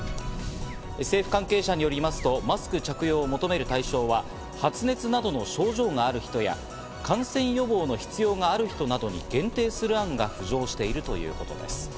政府関係者によりますとマスク着用を求める対象は発熱などの症状がある人や、感染予防策の必要がある人などに限定する案が浮上しているということです。